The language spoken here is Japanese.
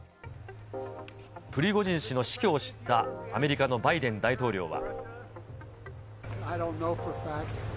プリゴジン氏の死去を知ったアメリカのバイデン大統領は。